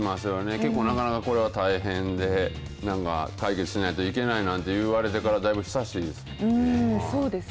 結構、なかなかこれは大変で、なんか、解決しないといけないなんて言われてからだいぶ久しいです。